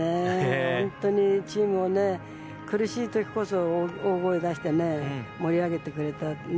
本当にチームが苦しい時ほど、大声出して盛り上げてくれて。